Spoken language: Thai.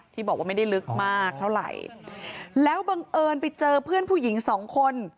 ที่บอกว่าไม่ได้ลึกมากเท่าไหร่แล้วบังเอิญไปเจอเพื่อนผู้หญิงสองคน